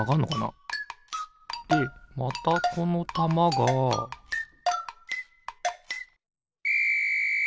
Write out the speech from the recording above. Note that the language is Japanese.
でまたこのたまがピッ！